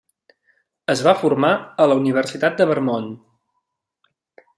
Es va formar a la Universitat de Vermont.